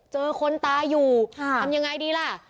เจอคนตายอยู่ทำยังไงดีล่ะ